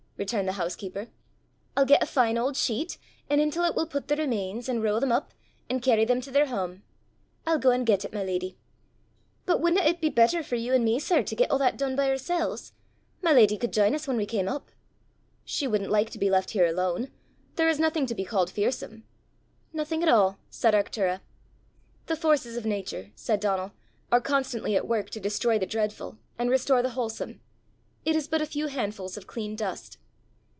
returned the housekeeper. "I'll get a fine auld sheet, an' intil 't we'll put the remains, an' row them up, an' carry them to their hame. I'll go an' get it, my leddy. But wouldna 't be better for you and me, sir, to get a' that dune by oorsel's? My leddy could j'in us whan we cam up." "She wouldn't like to be left here alone. There is nothing to be called fearsome!" "Nothing at all," said Arctura. "The forces of nature," said Donal, "are constantly at work to destroy the dreadful, and restore the wholesome. It is but a few handfuls of clean dust."